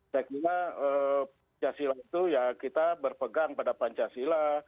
saya kira pancasila itu ya kita berpegang pada pancasila